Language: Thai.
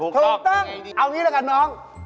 ถูกต้องเอาอย่างนี้นะครับน้อง